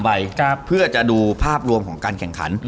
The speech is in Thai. ใบเพื่อจะดูภาพรวมของการแข่งขัน